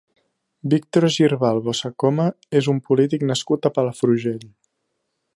Víctor Girbal Bossacoma és un polític nascut a Palafrugell.